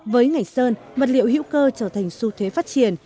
với ngành sơn vật liệu hữu cơ trở thành xu thế phát triển